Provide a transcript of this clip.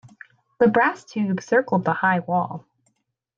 The brass tube circled the high wall.